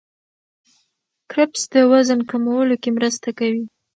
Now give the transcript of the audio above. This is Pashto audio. کرفس د وزن کمولو کې مرسته کوي.